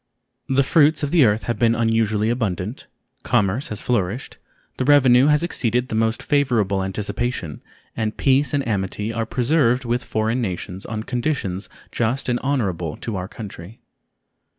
The fruits of the earth have been unusually abundant, commerce has flourished, the revenue has exceeded the most favorable anticipation, and peace and amity are preserved with foreign nations on conditions just and honorable to our country.